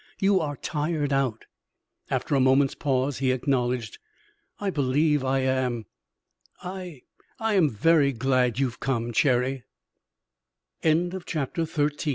You are tired out." After a moment's pause, he acknowledged: "I believe I am. I I am very glad you have come, Cherry." CHAPTER XIV IN WHICH THEY R